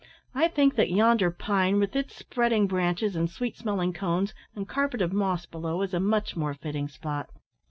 I think that yonder pine, with its spreading branches and sweet smelling cones, and carpet of moss below, is a much more fitting spot."